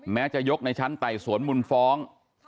แม้จะยกในชั้นไต่สวนมูลฟ้อง